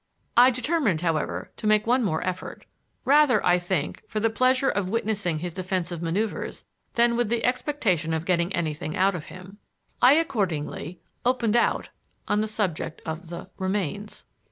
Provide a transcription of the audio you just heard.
I determined, however, to make one more effort, rather, I think, for the pleasure of witnessing his defensive maneuvers than with the expectation of getting anything out of him. I accordingly "opened out" on the subject of the "remains."